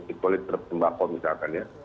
sirkulasi tersembako misalkan ya